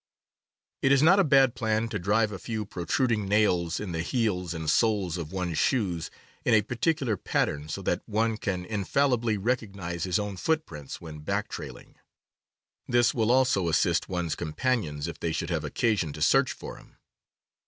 It is not a bad plan to drive a few protruding nails in the heels and soles of one's shoes, in a particular pattern, so that one can infallibly recognize his own footprints when back trailing. This will also assist one's companions if they should have occasion to search for him.